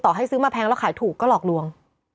ให้ซื้อมาแพงแล้วขายถูกก็หลอกลวง